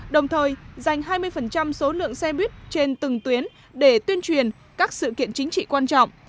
đồng thời dành hai mươi số lượng xe buýt trên từng tuyến để tuyên truyền các sự kiện chính trị quan trọng